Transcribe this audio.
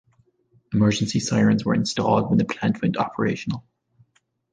Emergency sirens were installed when the plant went operational.